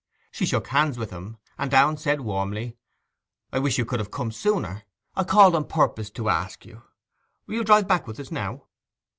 She shook hands with him, and Downe said warmly, 'I wish you could have come sooner: I called on purpose to ask you. You'll drive back with us now?